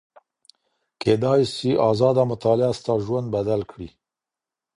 کيدای سي ازاده مطالعه ستا ژوند بدل کړي.